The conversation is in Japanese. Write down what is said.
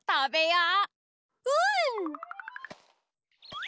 うん！